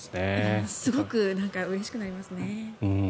すごくうれしくなります。